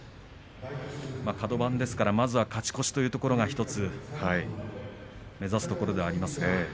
カド番ですからまずは勝ち越しということが１つ目指すところではありますね。